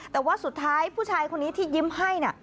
แต่ว่าสุดท้ายผู้ชายคนนี้ที่ยิ้มให้